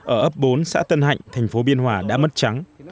ở ấp bốn xã tân hạnh thành phố biên hòa đã mất trắng